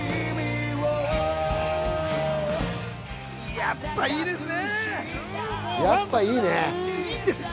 やっぱいいですね。